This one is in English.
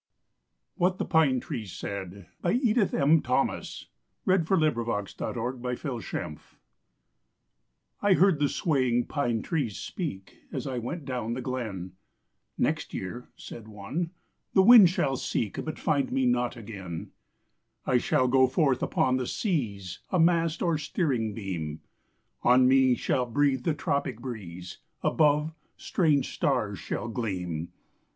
WHAT THE PINE TREES SAID I heard the swaying pine trees speak, As I went down the glen: "Next year," said one, "the wind shall seek, But find me not again!" "I shall go forth upon the seas, A mast, or steering beam; On me shall breathe the tropic breeze, Above, strange stars shall gleam.'